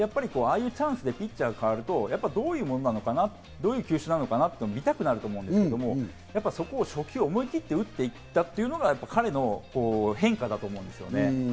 ああいうチャンスでピッチャーが代わると、どういうものなのかな、どういう球種かなと見たくなると思うんですけど、そこ初球を思い切って打っていったというのが彼の変化だと思ったんですね。